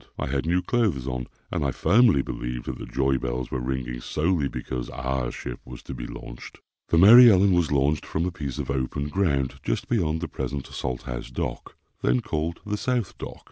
I had new clothes on, and I firmly believed that the joy bells were ringing solely because our ship was to be launched. The Mary Ellen was launched from a piece of open ground just beyond the present Salt house Dock, then called, "the South Dock."